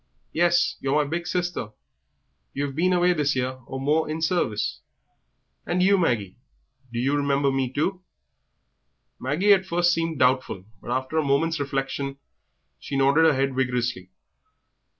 "Yes, you're my big sister; you've been away this year or more in service." "And you, Maggie, do you remember me too?" Maggie at first seemed doubtful, but after a moment's reflection she nodded her head vigorously.